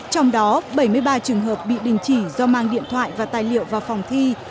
trong đó bảy mươi ba trường hợp bị đình chỉ do mang điện thoại và tài liệu vào phòng thi